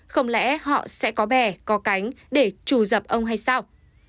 không lẽ họ sẽ có bè có cánh để trù dập ông hay sao